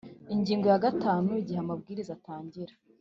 Ingingo ya gatanu Igihe Amabwiriza atangira